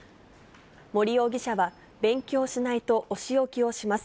森容疑者は、勉強しないとお仕置きをします。